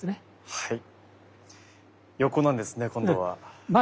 はい。